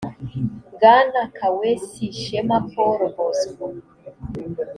bwana kaweesi shema paul bosco